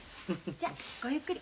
じゃごゆっくり。